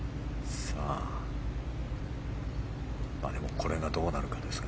これがどうなるかですが。